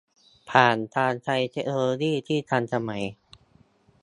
ผ่านการใช้เทคโนโลยีที่ทันสมัย